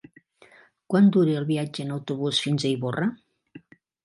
Quant dura el viatge en autobús fins a Ivorra?